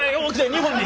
日本に。